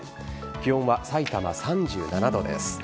気温は、さいたま３７度です。